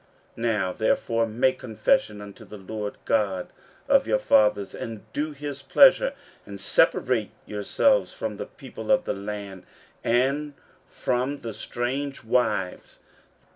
15:010:011 Now therefore make confession unto the LORD God of your fathers, and do his pleasure: and separate yourselves from the people of the land, and from the strange wives.